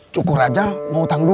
cukur aja mau utang dulu